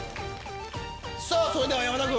それでは山田君！